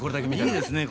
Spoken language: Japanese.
いいですね